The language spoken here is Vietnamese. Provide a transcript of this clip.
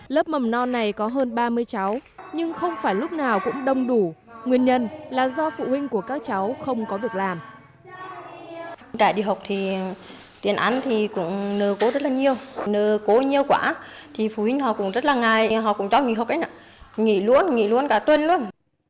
lớp mầm non này có hơn ba mươi cháu nhưng không phải lúc nào cũng đông đủ nguyên nhân là do phụ huynh của các cháu không có việc làm